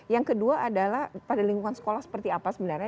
yang kedua adalah pada lingkungan sekolah seperti apa sebenarnya